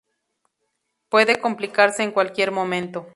Puede complicarse en cualquier momento.